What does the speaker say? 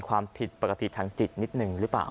ความผิดปกติทางจิตนิดนึงหรือเปล่า